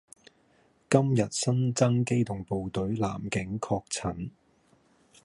今日新增機動部隊男警確診